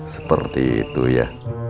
seperti itu ya